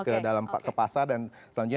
ke dalam ke pasar dan selanjutnya